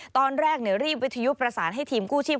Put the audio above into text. ตอนแรกรีบวิทยุประสานให้ทีมกู้ชีพ